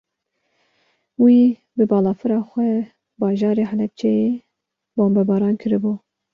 Wî, bi balafira xwe bajarê Helebceyê bombebaran kiribû